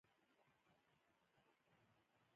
سالمن کب ولې سفر کوي؟